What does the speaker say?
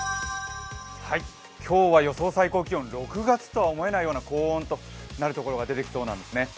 今日は予想最高気温６月とは思えないような高温となるところが出てきそうなんですね。